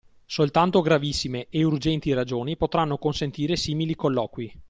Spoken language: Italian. Soltanto gravissime e urgenti ragioni potranno consentire simili colloqui.